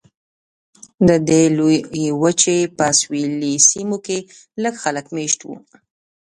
د دې لویې وچې په سویلي سیمو کې لږ خلک مېشت وو.